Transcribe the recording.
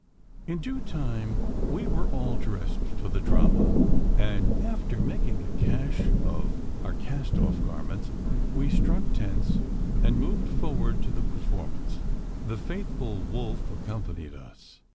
In due time we were all dressed for the drama; and, after making a cache of our cast off garments, we struck tents, and moved forward to the performance. The faithful Wolf accompanied us.